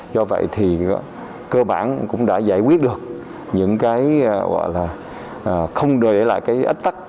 do vậy thì cơ bản cũng đã giải quyết được những cái không để lại cái ách tắc